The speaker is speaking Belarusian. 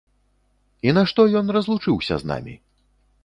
І нашто ён разлучыўся з намі?